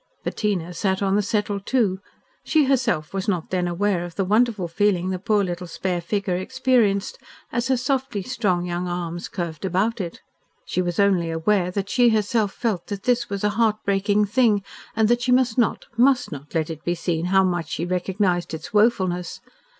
Bettina sat on the settle, too. She herself was not then aware of the wonderful feeling the poor little spare figure experienced, as her softly strong young arms curved about it. She was only aware that she herself felt that this was a heart breaking thing, and that she must not MUST not let it be seen how much she recognised its woefulness.